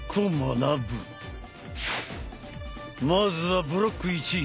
まずはブロック１。